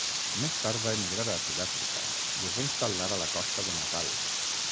Més tard va emigrar a Sud-Àfrica i es va instal·lar a la costa de Natal.